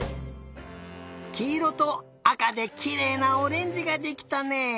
きいろとあかできれいなオレンジができたね。